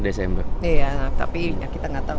desember iya tapi kita gak tahu